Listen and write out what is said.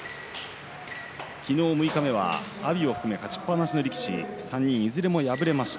昨日、六日目は阿炎を含め勝ちっ放しの力士３人いずれも敗れました。